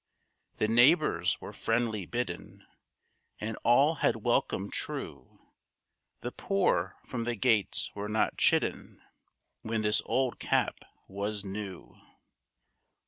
The neighbours were friendly bidden, And all had welcome true, The poor from the gates were not chidden, When this old cap was new.